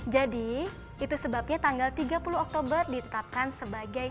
jadi itu sebabnya tanggal tiga puluh oktober ditetapkan sebagai